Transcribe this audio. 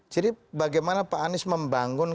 jadi bagaimana pak anies membangun